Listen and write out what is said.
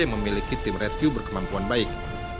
yang memiliki tim rescue berkemampuan baik